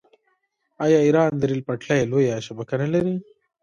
آیا ایران د ریل پټلۍ لویه شبکه نلري؟